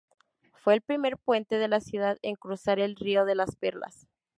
Fue el primer puente de la ciudad en cruzar el Río de las Perlas.